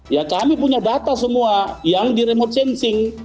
ya kami punya data semua yang di remote sensing